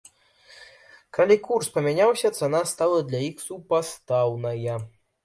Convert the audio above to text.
Калі курс памяняўся, цана стала для іх супастаўная.